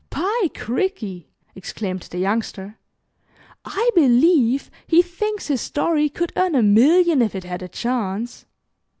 "By cricky," exclaimed the Youngster, "I believe he thinks his story could earn a million if it had a chance."